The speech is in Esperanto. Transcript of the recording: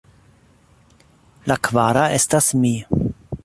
La kvara estas mi.